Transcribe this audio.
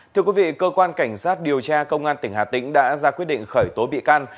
thưa quý vị cơ quan cảnh sát điều tra công an tỉnh hà tĩnh đã ra quyết định khởi tố bị can